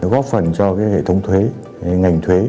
góp phần cho hệ thống thuế ngành thuế